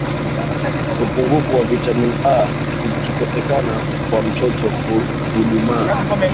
upungufu wa vitamini A ikikosekana kwa mtoto hudumaa